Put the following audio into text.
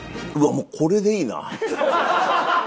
もうこれでいいな。